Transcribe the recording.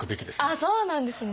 あっそうなんですね。